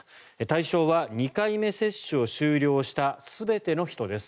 対象は２回目接種を終了した全ての人です。